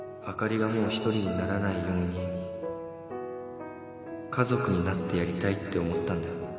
あかりがもう独りにならないように家族になってやりたいって思ったんだよ